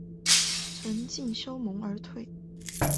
存敬修盟而退。